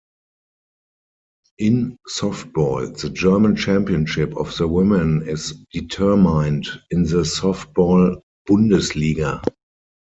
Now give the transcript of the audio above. In softball, the German championship of the women is determined in the Softball Bundesliga.